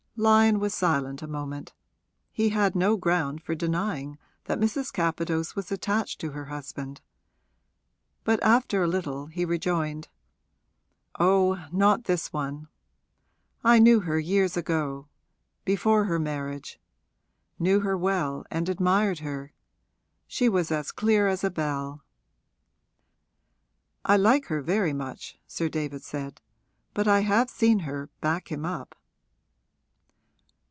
Lyon was silent a moment; he had no ground for denying that Mrs. Capadose was attached to her husband. But after a little he rejoined: 'Oh, not this one! I knew her years ago before her marriage; knew her well and admired her. She was as clear as a bell.' 'I like her very much,' Sir David said, 'but I have seen her back him up.'